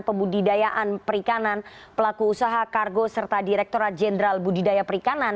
pembudidayaan perikanan pelaku usaha kargo serta direkturat jenderal budidaya perikanan